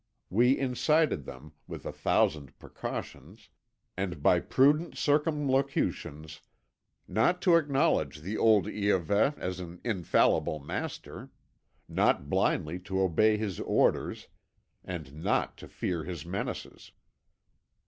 We incited them, with a thousand precautions, and by prudent circumlocutions, not to acknowledge the old Iahveh as an infallible master, not blindly to obey his orders, and not to fear his menaces.